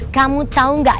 kamu tau nggak